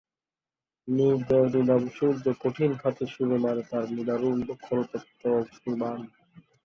নির্দয় নিদাম সূর্য কঠিন হাতে ছুড়ে মারে তার নিদারুন খড়তপ্ত অগ্নির্বাণ।